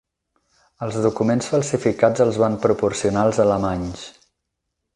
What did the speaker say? Els documents falsificats els van proporcionar els alemanys.